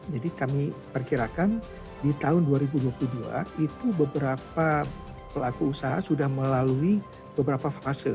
jadi kami perkirakan di tahun dua ribu dua puluh dua itu beberapa pelaku usaha sudah melalui beberapa fase